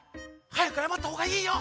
はやくあやまったほうがいいよ。